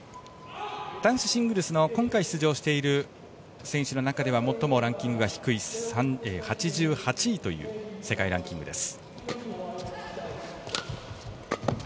男子シングルスの今回出場している選手の中では最もランキングが低い８８位という世界ランキングです。